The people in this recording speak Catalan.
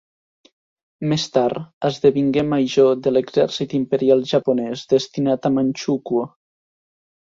Més tard, esdevingué major de l'Exèrcit Imperial Japonès destinat a Manxukuo.